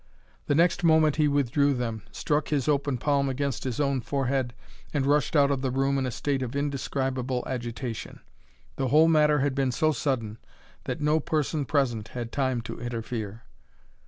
The next moment he withdrew them, struck his open palm against his own forehead, and rushed out of the room in a state of indescribable agitation. The whole matter had been so sudden, that no person present had time to interfere.